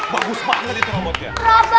bagus banget itu robotnya